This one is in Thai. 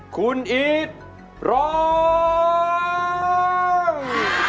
คุณอีทร้อง